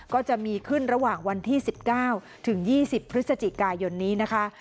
ก็จะมีขึ้นระหว่างวันที่๑๙ถึง๒๐พฤศจิกายนนี้นะคะ